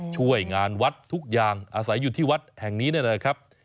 ช่วยงานวัดทุกอย่างอาศัยอยู่ที่วัดแห่งนี้นะครับ